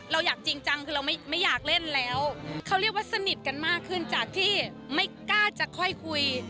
เราอยากจริงจังคือเราไม่อยากเล่นแล้วเขาเรียกว่าสนิทกันมากขึ้นจากที่ไม่กล้าจะค่อยคุย